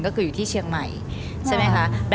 ก็คืออยู่ที่เชียงใหม่ใช่ไหมคะ